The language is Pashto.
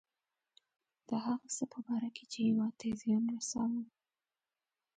د هغه څه په باره کې چې هیواد ته یې زیان رساوه.